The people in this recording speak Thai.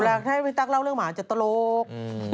เพราะวันนี้มีตั๊กเล่าเรื่องหมาอาจจะตลก